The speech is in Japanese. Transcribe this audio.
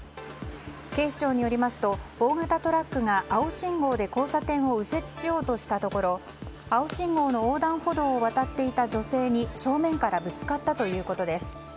警視庁によりますと大型トラックが青信号で交差点を右折しようとしたところ青信号の横断歩道を渡っていた女性に正面からぶつかったということです。